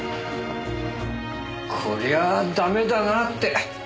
こりゃあダメだなって。